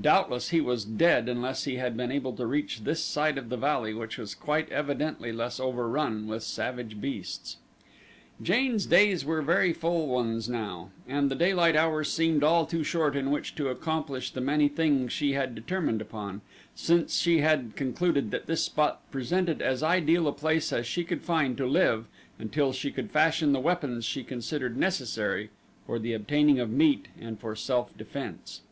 Doubtless he was dead unless he had been able to reach this side of the valley which was quite evidently less overrun with savage beasts. Jane's days were very full ones now, and the daylight hours seemed all too short in which to accomplish the many things she had determined upon, since she had concluded that this spot presented as ideal a place as she could find to live until she could fashion the weapons she considered necessary for the obtaining of meat and for self defense.